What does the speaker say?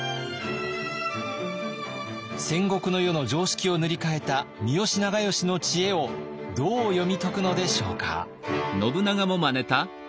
戦国の世の常識を塗り替えた三好長慶の知恵をどう読み解くのでしょうか。